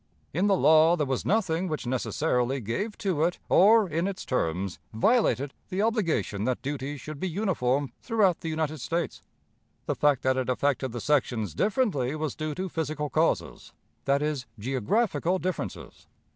In the law there was nothing which necessarily gave to it or in its terms violated the obligation that duties should be uniform throughout the United States. The fact that it affected the sections differently was due to physical causes that is, geographical differences.